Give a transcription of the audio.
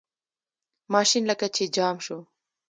ماشین لکه چې جام شو.